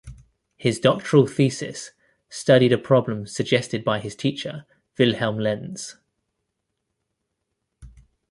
His doctoral thesis studied a problem suggested by his teacher, Wilhelm Lenz.